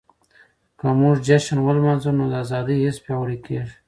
که موږ جشن ولمانځو نو د ازادۍ حس پياوړی کيږي.